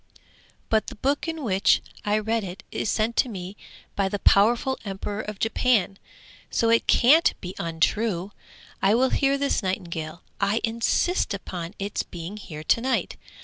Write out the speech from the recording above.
'But the book in which I read it is sent to me by the powerful Emperor of Japan, so it can't be untrue. I will hear this nightingale; I insist upon its being here to night.